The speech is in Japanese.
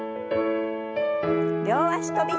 両脚跳び。